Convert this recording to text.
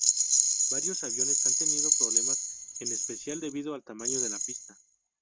Varios aviones han tenido problemas en especial debido al tamaño de la pista.